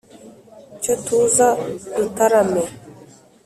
cyo tuza dutarame